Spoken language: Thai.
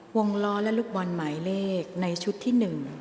วงล้อและลูกบอลหมายเลขในชุดที่๑